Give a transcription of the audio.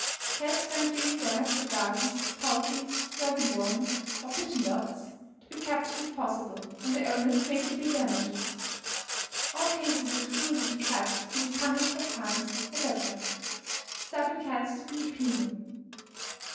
Cats found doing damage to gardens, poultry, rabbit warrens, or pigeon lofts, to be captured if possible, and the owners made to pay damages. All cases of cruelty to cats to be punished by fines, etc. Starving cats to be penal.